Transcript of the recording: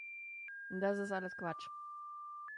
Das ist alles Quatsch.